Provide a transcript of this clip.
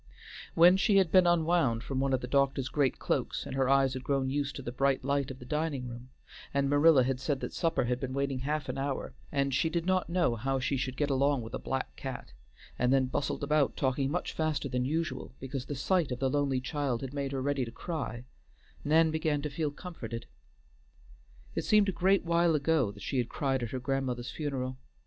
When she had been unwound from one of the doctor's great cloaks, and her eyes had grown used to the bright light in the dining room, and Marilla had said that supper had been waiting half an hour, and she did not know how she should get along with a black cat, and then bustled about talking much faster than usual, because the sight of the lonely child had made her ready to cry, Nan began to feel comforted. It seemed a great while ago that she had cried at her grandmother's funeral.